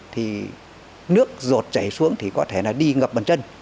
thì nước rột chảy xuống thì có thể là đi ngập bằng chân